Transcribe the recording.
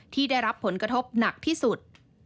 ที่ได้รับผลกระทบหนักที่สุด